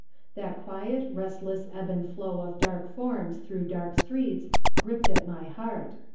That quiet, restless ebb and flow of dark forms through dark streets gripped at my heart.